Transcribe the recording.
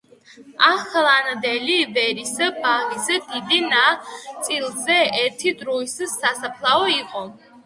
ახლანდელი ვერის ბაღის დიდ ნაწილზე ერთ დროს სასაფლაო იყო.